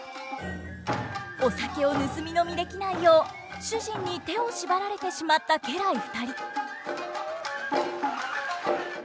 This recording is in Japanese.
お酒を盗み飲みできないよう主人に手を縛られてしまった家来２人。